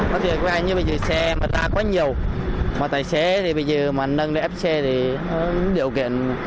nó thì như bây giờ xe mà ra quá nhiều mà tài xế thì bây giờ mà nâng lên ép xe thì điều kiện